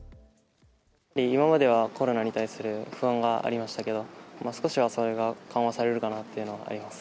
今まではコロナに対する不安がありましたけど、少しはそれが緩和されるかなっていうのはあります。